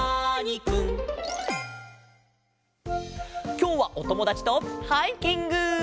きょうはおともだちとハイキング！